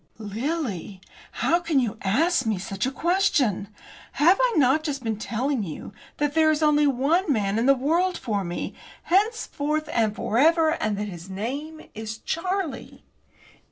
"Lily! How can you ask me such a question? Have I not just been telling you that there is only one man in the world for me, henceforth and for ever, and that his name is Charlie?"